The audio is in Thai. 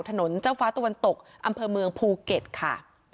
ถนนเจ้าฟ้าตะวันตกอำเภอเมืองภูเก็ตค่ะ